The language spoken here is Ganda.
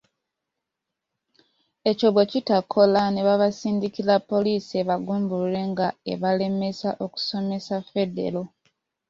Ekyo bwekitaakola, nebabasindikira Poliisi ebagumbulule nga ebalemesa “okusomesa Federo”.